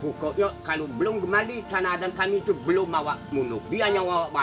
bagaimana anda menjawab